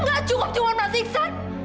gak cukup cuman mas iksan